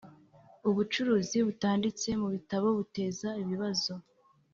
Ubucuruzi butanditse mu bitabo buteza ibibazo